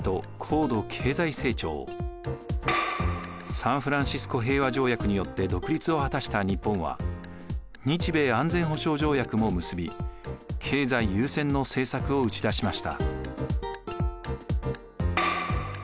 サンフランシスコ平和条約によって独立を果たした日本は日米安全保障条約も結び経済優先の政策を打ち出しました。